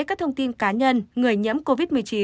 các thông tin cá nhân người nhiễm covid một mươi chín